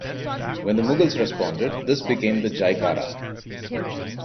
When the mughals responded this became the jaikara.